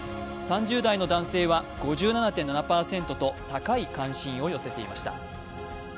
３０代男性は５７．７％と高い関心を寄せていました。